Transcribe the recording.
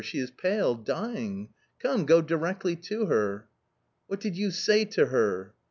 She is pale, dying ! Come, go directly to her." " What did you say to her